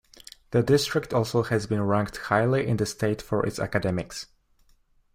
The district also has been ranked highly in the state for its academics.